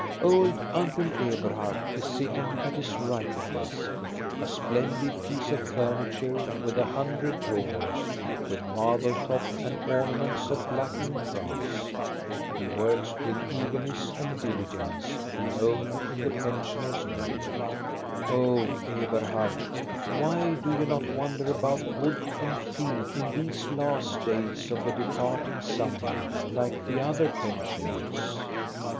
Old Uncle Eberhard is sitting at his writing desk, — a splendid piece of furniture with a hundred drawers, with marble top and ornaments of blackened brass. He works with eagerness and diligence, alone in the pensioners' wing. Oh, Eberhard, why do you not wander about wood and field in these last days of the departing summer like the other pensioners